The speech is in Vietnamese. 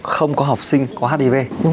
không có học sinh có hdb